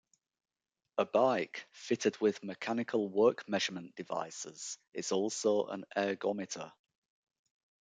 A bike, fitted with mechanical work measurement devices is also an ergometer.